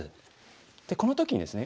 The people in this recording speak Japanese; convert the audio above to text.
でこの時にですね